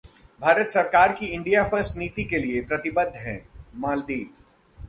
भारत सरकार की ‘India first’ नीति के लिए प्रतिबद्ध हैं: मालदीव